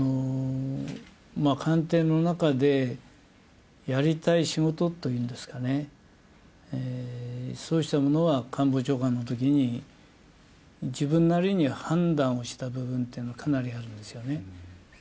官邸の中でやりたい仕事というんですかね、そうしたものは官房長官のときに、自分なりに判断をした部分というのがかなりあるんですよね。